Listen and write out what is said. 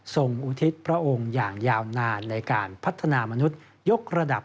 อุทิศพระองค์อย่างยาวนานในการพัฒนามนุษยกระดับ